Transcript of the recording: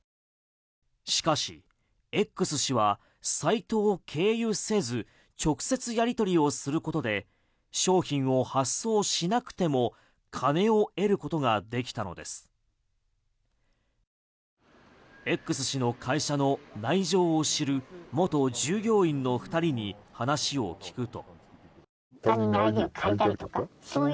しかし、Ｘ氏はサイトを経由せず直接やり取りをすることで商品を発送しなくても金を得ることができたのです。Ｘ氏の会社の内情を知る元従業員の２人に話を聞くと。